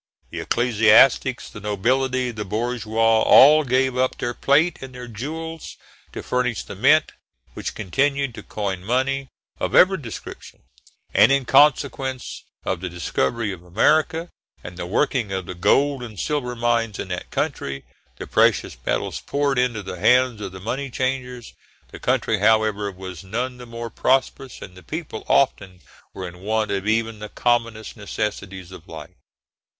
The ecclesiastics, the nobility, the bourgeois, all gave up their plate and their jewels to furnish the mint, which continued to coin money of every description, and, in consequence of the discovery of America, and the working of the gold and silver mines in that country, the precious metals poured into the hands of the money changers. The country, however, was none the more prosperous, and the people often were in want of even the commonest necessaries of life.